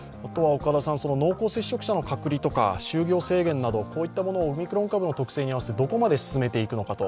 濃厚接触者の隔離とか就業制限など、オミクロン株の特性に合わせてどこまで進めていくのか